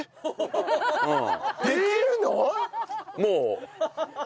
もう。